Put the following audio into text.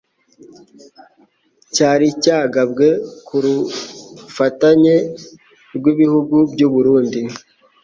cyari cyagabwe ku rufatanye rw'ibihugu by'u Burundi,